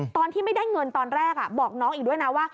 ตอนที่ไม่ได้เงินตอนแรกบอกน้องอีกด้วยนะว่า